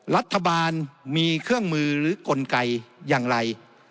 รัฐบาลมีเครื่องมือหรือกลไกอย่างไร